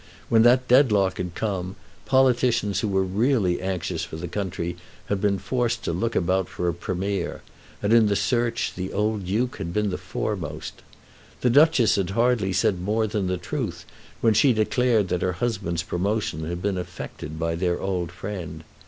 When that dead lock had come, politicians who were really anxious for the country had been forced to look about for a Premier, and in the search the old Duke had been the foremost. The Duchess had hardly said more than the truth when she declared that her husband's promotion had been effected by their old friend.